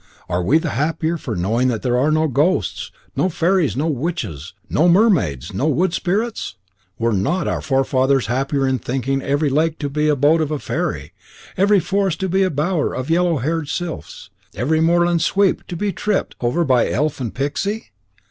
Are we the happier for knowing that there are no ghosts, no fairies, no witches, no mermaids, no wood spirits? Were not our forefathers happier in thinking every lake to be the abode of a fairy, every forest to be a bower of yellow haired sylphs, every moorland sweep to be tripped over by elf and pixie?